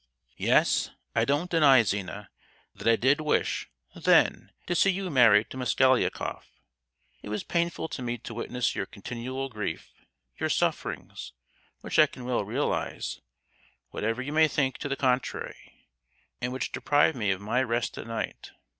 "Yes; I don't deny, Zina, that I did wish, then, to see you married to Mosgliakoff! It was painful to me to witness your continual grief, your sufferings, which I can well realize—whatever you may think to the contrary!—and which deprived me of my rest at night!